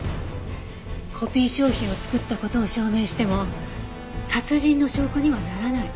コピー商品を作った事を証明しても殺人の証拠にはならない。